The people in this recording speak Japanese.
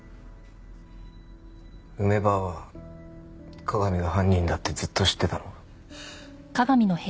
梅ばあは加賀美が犯人だってずっと知ってたの？